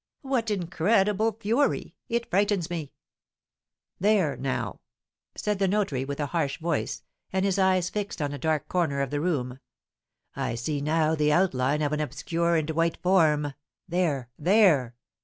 "What incredible fury! It frightens me!" "There, now!" said the notary, with a harsh voice, and his eyes fixed on a dark corner of the room. "I see now the outline of an obscure and white form; there there!"